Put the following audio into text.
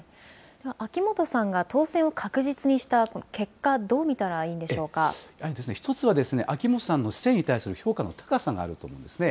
秋元さんが当選を確実にした結果、やはり１つは、秋元さんの市政に対する評価の高さがあると思うんですね。